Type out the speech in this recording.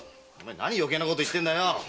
なに余計なこと言ってんだよ。